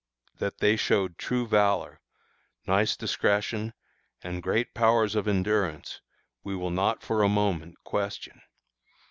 That they showed true valor, nice discretion, and great powers of endurance, we will not for a moment question.